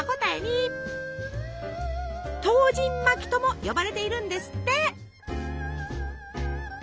「唐人巻」とも呼ばれているんですって。